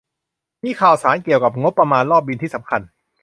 มีข่าวสารเกี่ยวกับงบประมาณรอบบิลที่สำคัญ